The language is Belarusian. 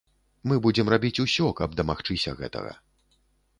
Мы будзем рабіць усё, каб дамагчыся гэтага.